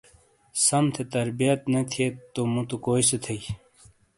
سم تھے تربیت نہ تھئیت تو مٌوتو کوئی سے تھئیی؟